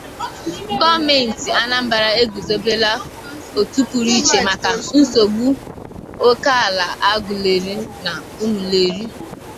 Gọọmentị Anambra Eguzobela Òtù Pụrụ Iche Maka Nsogbu Ókè Ala Agụleri Na Ụmụeri